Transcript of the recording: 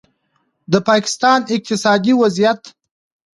د پاکستان اقتصادي وضعیت